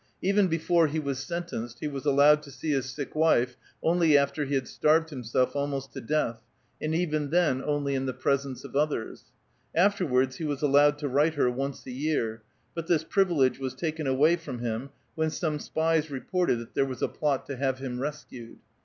Even before he was sentenced, he was allowed to see his sick wife only after he had starved himself almost to death, and even then only in the presence t)f others. After wards he was allowed to write her once a year ; but this priv ilege was taken away from him when some spies reported that there was a plot to have him rescued.